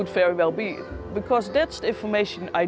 dan itu adalah jenis seperti ini